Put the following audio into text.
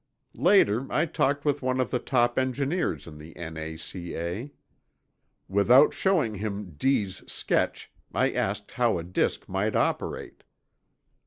Later, I talked with one of the top engineers in the N.A.C.A. Without showing him D———'s sketch, I asked how a disk might operate.